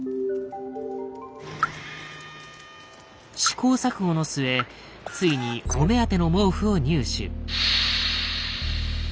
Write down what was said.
試行錯誤の末ついにお目当ての毛布を入手。